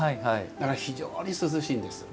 だから非常に涼しいんです。